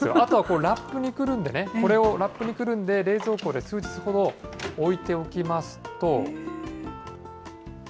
そうですよ、あとはラップにくるんでね、これをラップにくるんで、冷蔵庫で数日ほど置いておきますと。